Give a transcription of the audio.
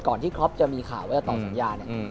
ก่อนที่ครอฟจะมีข่าวและตอบสัญญา